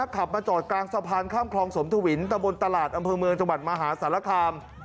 ขับมาจอดกลางสะพานข้ามคลองสมทวินตะบนตลาดอำเภอเมืองจังหวัดมหาสารคาม